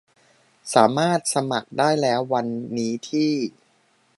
สามารถสมัครได้แล้ววันนี้ที่